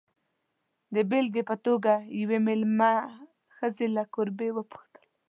د بېلګې په توګه، یوې مېلمه ښځې له کوربې وپوښتل.